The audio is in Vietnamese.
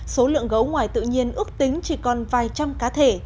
số lượng gấu ngoài tự nhiên ước tính chỉ còn vài trăm cá thể